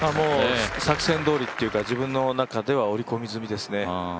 作戦どおりというか、自分の中では折り込み済みですね。